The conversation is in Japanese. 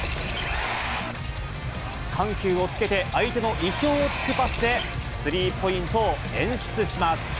緩急をつけて相手の意表をつくパスで、スリーポイントを演出します。